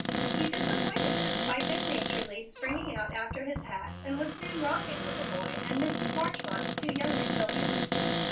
He disappointed them by good naturedly springing out after his hat, and was soon romping with the boy and Mrs. Marchmont's two younger children.